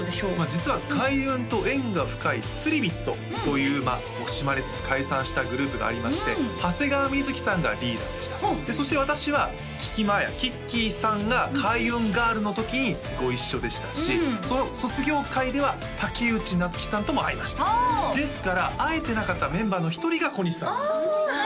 実は開運と縁が深いつりビットという惜しまれつつ解散したグループがありまして長谷川瑞さんがリーダーでしたほうそして私は聞間彩きっきーさんがＫａｉｕｎＧｉｒｌの時にご一緒でしたしその卒業回では竹内夏紀さんとも会いましたですから会えてなかったメンバーの一人が小西さんなんですよああ